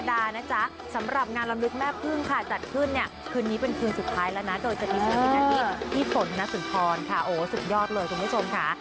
โดยจะมีสวัสดีกับพี่ฝนนัสธิพรสุดยอดเลยคุณผู้ชมค่ะ